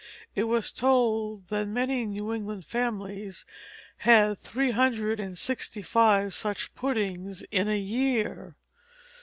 It was told that many New England families had three hundred and sixty five such puddings in a year.